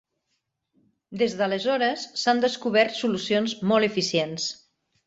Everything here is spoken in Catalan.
Des d'aleshores, s'han descobert solucions molt eficients.